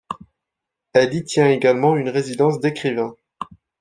Elle y tient également une résidence d'écrivains.